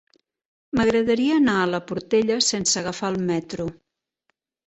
M'agradaria anar a la Portella sense agafar el metro.